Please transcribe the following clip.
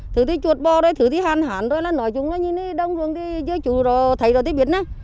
thứ thì chuột bò thôi thứ thì hạn hạn thôi là nói chúng là như này đông ruồng thì chú thầy đó thì biết nè